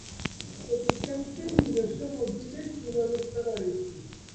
প্রতিষ্ঠানটির নিজস্ব মসজিদ এর সুব্যবস্থা রয়েছে।